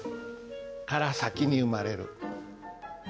「から先に生まれる」。